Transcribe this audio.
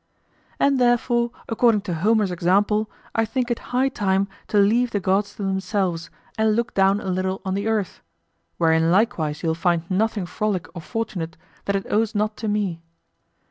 And therefore, according to Homer's example, I think it high time to leave the gods to themselves, and look down a little on the earth; wherein likewise you'll find nothing frolic or fortunate that it owes not to me.